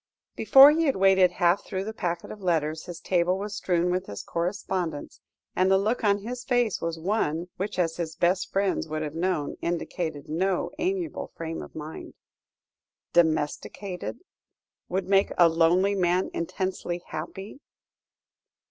Before he had waded half through the packet of letters, his table was strewn with his correspondence, and the look on his face was one, which, as his best friends would have known, indicated no amiable frame of mind. "Domesticated." "Would make a lonely man intensely happy."